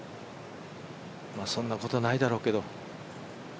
そんなことないだろうけど。